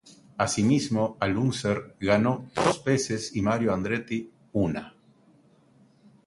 Asimismo, Al Unser ganó dos veces y Mario Andretti una.